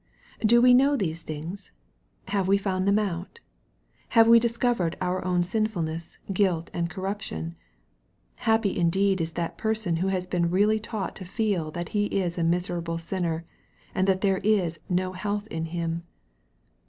Do we know these things ? Have we found them out ? Have we discovered our own sinfulness, guilt, and corrup tion ? Happy indeed is that person who has been really taught to feel that he is a " miserable sinner," and that there is " no health in him